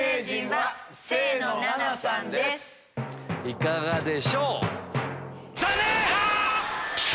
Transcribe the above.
いかがでしょう？